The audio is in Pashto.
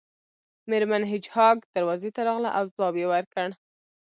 میرمن هیج هاګ دروازې ته راغله او ځواب یې ورکړ